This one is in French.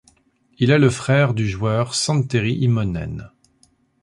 Il est le frère du joueur Santeri Immonen.